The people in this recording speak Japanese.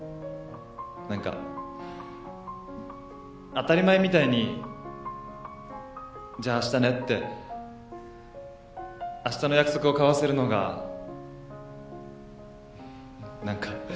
何か当たり前みたいに「じゃああしたね」ってあしたの約束を交わせるのが何か。